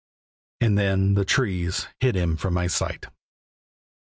And then the trees hid him from my sight.